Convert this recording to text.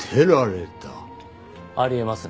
あり得ますね。